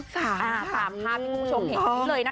ตามภาพที่คุณผู้ชมเห็นนี้เลยนะคะ